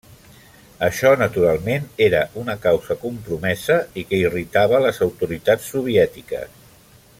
Això, naturalment, era una causa compromesa i que irritava les autoritats soviètiques.